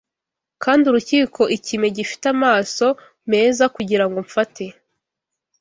Kandi urukiko ikime gifite amaso meza kugirango umfate